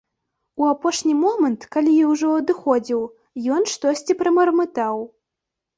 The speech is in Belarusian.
У апошні момант, калі я ўжо адыходзіў, ён штосьці прамармытаў.